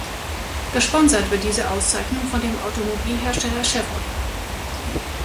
Gesponsert wird diese Auszeichnung von dem Automobilhersteller Chevrolet.